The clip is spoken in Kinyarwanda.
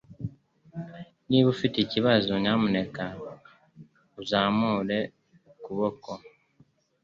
Niba ufite ikibazo, nyamuneka uzamure ukuboko.